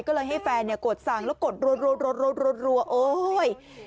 ก็ให้แฟนกดรับราวแล้วก็กดโรดโอ้ย